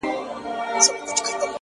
په یو نظر کي مي د سترگو په لړم نیسې ـ